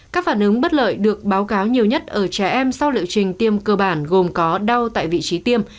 các phản ứng bất lợi được báo cáo nhiều nhất ở trẻ em sau liệu trình tiêm cơ bản gồm có đau tại vị trí tiêm